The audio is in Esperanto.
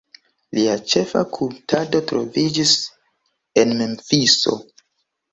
Lia ĉefa kultado troviĝis en Memfiso.